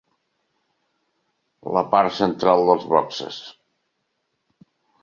La part central dels boxes.